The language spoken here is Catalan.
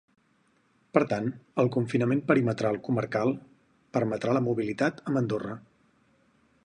Per tant, el confinament perimetral comarcal permetrà la mobilitat amb Andorra.